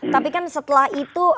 tapi kan setelah itu